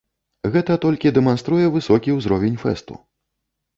Гэта толькі дэманструе высокі ўзровень фэсту.